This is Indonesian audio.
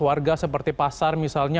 warga seperti pasar misalnya